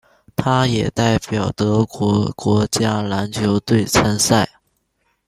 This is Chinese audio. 他也代表德国国家篮球队参赛。